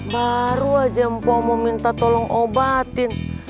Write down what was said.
baru aja mpok mau minta tolong obatin